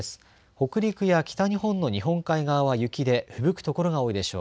北陸や北日本の日本海側は雪でふぶく所が多いでしょう。